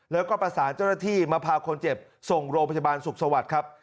แล้วก็ประสานเจ้าหน้าที่มาพาคนเจ็บส่งโรงพยาบาลสุขสวัสดิ์ครับ